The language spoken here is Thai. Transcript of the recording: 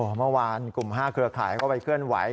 โอ้มาวานกลุ่ม๕เครือข่ายก็ไปเคลื่อนไหว